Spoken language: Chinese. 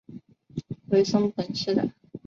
为松本市的。